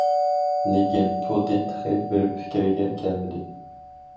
لېكىن، پۇتىن تېخى بىر پىكىرگە كەلمىدى.